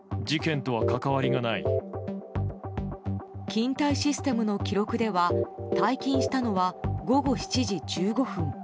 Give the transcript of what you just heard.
勤怠システムの記録では退勤したのは午後７時１５分。